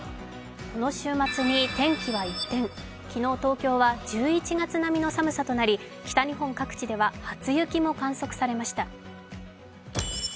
この週末に天気は一変、昨日、東京は１１月並みの寒さとなり、北日本各地では初雪も観測されました。